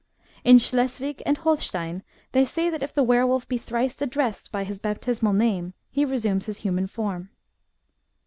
In Schleswig and Holstein they say that if the were wolf be thrice addressed by his baptismal name, he resumes his human form.